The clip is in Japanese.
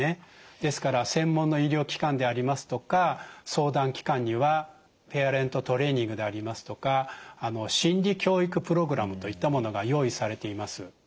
ですから専門の医療機関でありますとか相談機関にはペアレントトレーニングでありますとか心理教育プログラムといったものが用意されています。